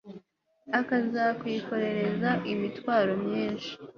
akazakwikorereza imitwaro myinshi